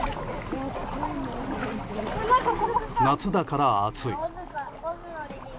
夏だから、暑い。